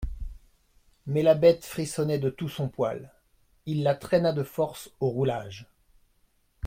Mais la bête frissonnait de tout son poil, il la traîna de force au roulage.